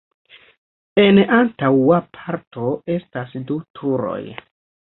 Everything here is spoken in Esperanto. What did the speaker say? En antaŭa parto estas du turoj.